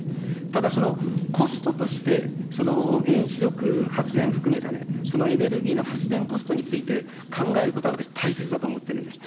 ただ、そのコストとして、原子力発電含めたそのエネルギーの発電コストについて考えることは私、大切だと思ってるんです。